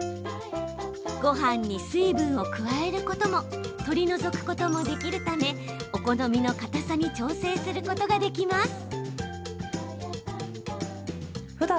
ごはんに水分を加えることも取り除くこともできるためお好みのかたさに調整することができます。